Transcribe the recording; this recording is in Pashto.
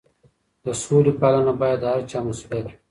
د سولې پالنه باید د هر چا مسؤلیت وي.